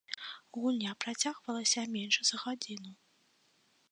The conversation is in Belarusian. Гульня працягвалася менш за гадзіну.